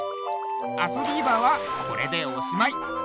「あそビーバー」はこれでおしまい。